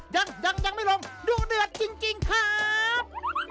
ยังยังไม่ลงดูเดือดจริงครับ